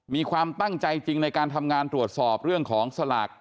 มีความตั้งใจจริงในการทำงานตรวจสอบเรื่องของสลาก